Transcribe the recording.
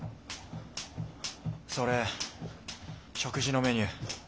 それ食事のメニュー。